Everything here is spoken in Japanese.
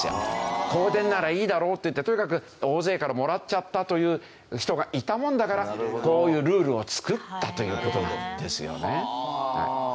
香典ならいいだろうっていってとやかく大勢からもらっちゃったという人がいたもんだからこういうルールを作ったという事なんですよね。